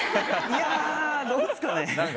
いやどうっすかね。